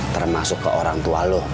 termasuk ke orang tua lo